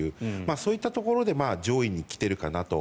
そういったところで上位に来てるかなと。